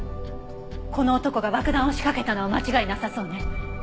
この男が爆弾を仕掛けたのは間違いなさそうね。